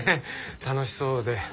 楽しそうで。